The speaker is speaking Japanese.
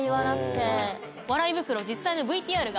笑い袋実際のＶＴＲがあります。